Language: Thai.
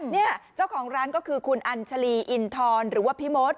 เนี่ยเจ้าของร้านก็คือคุณอัญชาลีอินทรหรือว่าพี่มด